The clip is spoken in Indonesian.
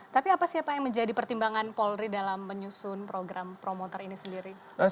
tapi apa sih pak yang menjadi pertimbangan polri dalam menyusun program promoter ini sendiri